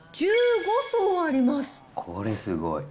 これすごい。